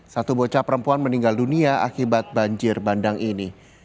satu bocah perempuan meninggal dunia akibat banjir bandang ini